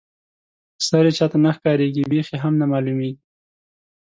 سر یې چاته نه ښکاريږي بېخ یې هم نه معلومیږي.